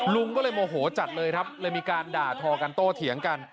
ลุงก็เลยโมโหจัดเลยครับเลยมีการด่าทอกันโต้เถียงกัน